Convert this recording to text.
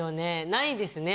ないですね